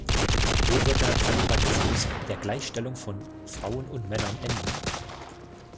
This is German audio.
Wo wird der Talibanismus der "Gleichstellung von Frauen und Männern" enden?